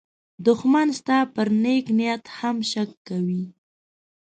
دښمن ستا پر نېک نیت هم شک کوي